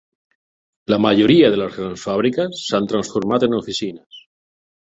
La majoria de les grans fàbriques s'han transformat en oficines.